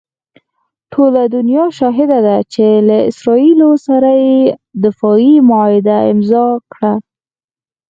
ټوله دنیا شاهده ده چې له اسراییلو سره یې دفاعي معاهده امضاء کړه.